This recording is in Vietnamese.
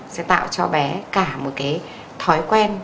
sẽ tạo cho bé cả một cái thói quen